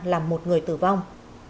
là một người tử vong